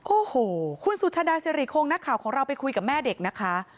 โอ้โหคุณสุชาดาสิริคงนักข่าวของเราไปคุยกับแม่เด็กนะคะ